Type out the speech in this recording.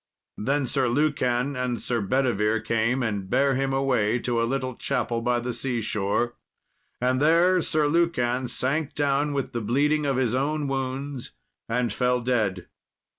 Then Sir Lucan and Sir Bedivere came and bare him away to a little chapel by the sea shore. And there Sir Lucan sank down with the bleeding of his own wounds, and fell dead.